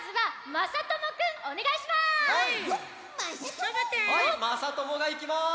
まさともがいきます！